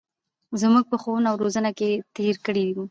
زمـوږ په ښـوونه او روزنـه کـې تېـر کـړى و.